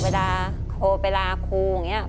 เวลาโทรไปลาครูเหมือนอนี้